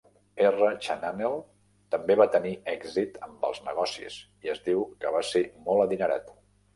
R. Chananel també va tenir èxit amb els negocis i es diu que va ser molt adinerat.